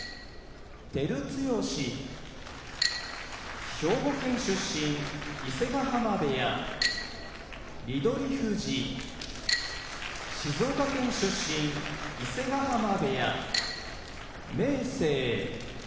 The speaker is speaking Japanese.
照強兵庫県出身伊勢ヶ濱部屋翠富士静岡県出身伊勢ヶ濱部屋明生